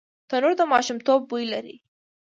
تنور د ماشومتوب بوی لري